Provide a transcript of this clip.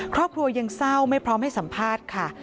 ครอบครัวยังเศร้าไม่พร้อมให้สัมภาษณ์ค่ะ